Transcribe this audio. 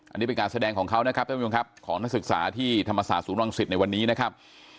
อันนี้เป็นการแสดงของเขานะครับท่านผู้ชมครับของนักศึกษาที่ธรรมศาสตศูนย์วังศิษย์ในวันนี้นะครับ